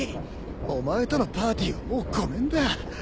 お前とのパーティーはもうごめんだ！